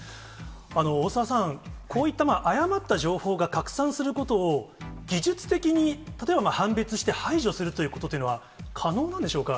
大澤さん、こういった誤った情報が拡散することを、技術的に例えば、判別して排除するっていうことは可能なんでしょうか。